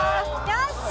よし！